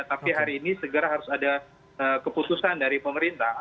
tapi hari ini segera harus ada keputusan dari pemerintah